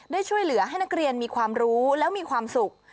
ช่วยเหลือให้นักเรียนมีความรู้แล้วมีความสุข